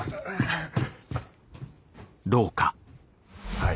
はい。